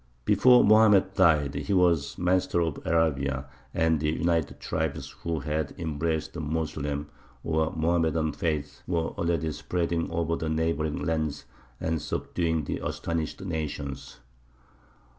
Before Mohammed died he was master of Arabia, and the united tribes who had embraced the Moslem or Mohammedan faith were already spreading over the neighbouring lands and subduing the astonished nations.